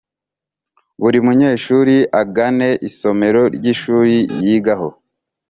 buri munyeshuri agane isomero ry’ishuri yigaho